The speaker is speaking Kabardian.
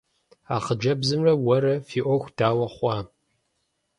А хъыджэбзымрэ уэрэ фи Ӏуэху дауэ хъуа?